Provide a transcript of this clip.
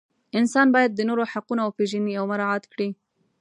انسان باید د نورو حقونه وپیژني او مراعات کړي.